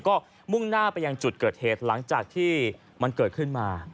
ก็มุ่งหน้าไปยังจุดเกิดเหตุหลังจากที่มันเกิดขึ้นมา